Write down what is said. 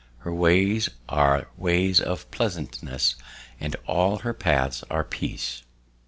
Her ways are ways of pleasantness, and all her paths are peace."